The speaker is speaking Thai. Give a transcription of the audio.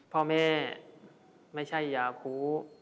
พ่อแม่ไม่ใช่ยาคู